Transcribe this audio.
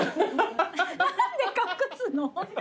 何で隠すの？